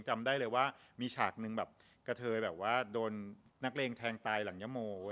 จำได้เลยว่ามีฉากนึงแบบกระเทยแบบว่าโดนนักเลงแทงตายหลังยะโม